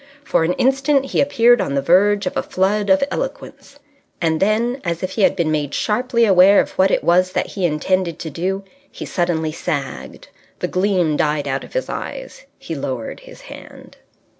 For an instant he appeared on the verge of a flood of eloquence. And then, as if he had been made sharply aware of what it was that he intended to do, he suddenly sagged. The gleam died out of his eyes. He lowered his hand.